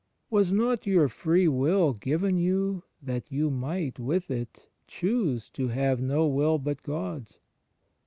Was not your free will given you that you might, with it, choose to have no will but God's?